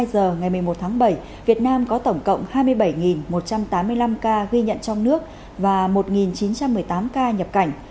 từ một mươi hai h ngày một mươi một tháng bảy việt nam có tổng cộng hai mươi bảy một trăm tám mươi năm ca ghi nhận trong nước và một chín trăm một mươi tám ca nhập cảnh